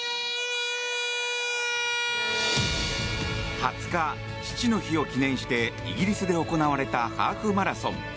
２０日、父の日を記念してイギリスで行われたハーフマラソン。